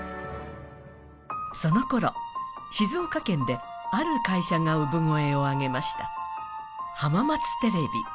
そのころ、静岡県で、ある会社が産声を上げました、浜松テレビ。